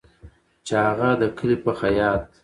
چې هغه د کلي په خیاط